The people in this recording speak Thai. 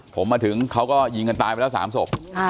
ผมมาถึงเขาก็ยิงกันตายไปแล้ว๓ศพ